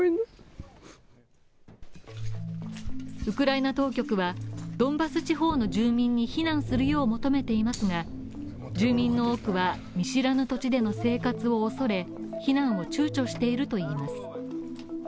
ウクライナ当局は、ドンバス地方の住民に避難するよう求めていますが、住民の多くは見知らぬ土地での生活を恐れ避難をちゅうちょしているといいます。